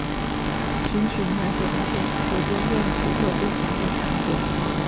琴曲描写的是水边雁起落飞翔的场景。